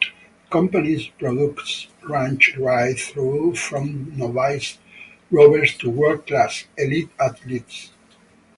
The company's products range right through from novice rowers to world class, elite athletes.